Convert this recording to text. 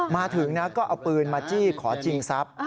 มาถึงนะก็เอาปืนมาจี้ขอชิงทรัพย์